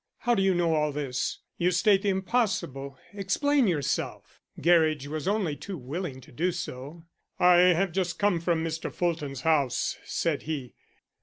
"How do you know all this? You state the impossible. Explain yourself." Gerridge was only too willing to do so. "I have just come from Mr. Fulton's house," said he.